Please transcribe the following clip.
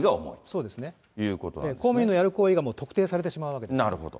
公務員のやる行為が特定されてしまうわけですね。